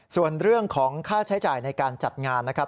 ส่วนเรื่องของค่าใช้จ่ายในการจัดงานนะครับ